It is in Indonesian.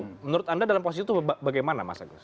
menurut anda dalam posisi itu bagaimana